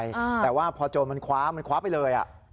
แต่ว่าพอโจรมันคว้ามันคว้าไปเลยอ่ะ